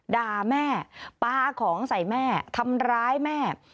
ด่าแม่ปลาของใส่แม่ทำร้ายแม่